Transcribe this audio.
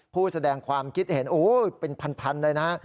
ผู้แสดงความคิดเห็นโอ้เป็นพันเลยนะฮะ